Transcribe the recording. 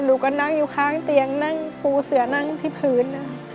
หนูก็นั่งอยู่ข้างเตียงนั่งปูเสือนั่งที่พื้น